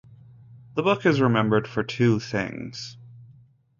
The book is remembered for two things.